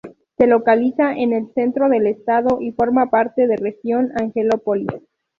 Se localiza en el centro del estado y forma parte de región Angelópolis.